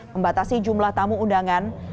membatasi jumlah tamu undangan